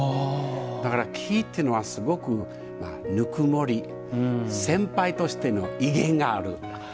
だから、木っていうのはすごくぬくもり先輩としての威厳がある。